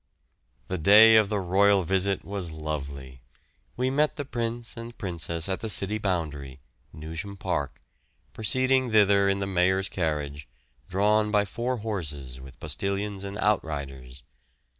The day of the Royal Visit was lovely. We met the Prince and Princess at the city boundary, Newsham Park, proceeding thither in the mayor's carriage, drawn by four horses with postillions and out riders.